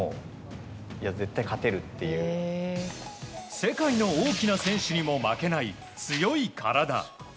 世界の大きな選手にも負けない強い体。